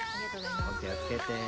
お気を付けて。